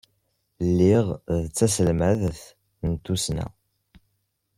Lliɣ d taselmadt n tussna.